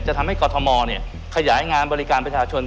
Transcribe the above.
ทำให้กรทมขยายงานบริการประชาชน